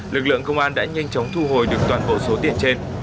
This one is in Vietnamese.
lực lượng công an đã nhanh chóng thu hồi được toàn bộ số tiền trên